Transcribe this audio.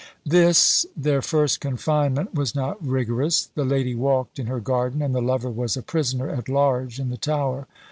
This, their first confinement, was not rigorous; the lady walked in her garden, and the lover was a prisoner at large in the Tower.